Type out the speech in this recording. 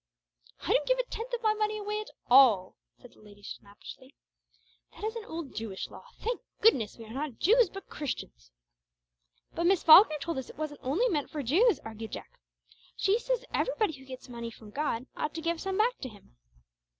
"I don't give a tenth of my money away at all," said the lady snappishly. "That is an old Jewish law. Thank goodness, we are not Jews, but Christians." "But Miss Falkner told us it wasn't only meant for Jews," argued Jack. "She says everybody who gets money from God ought to give back some to Him."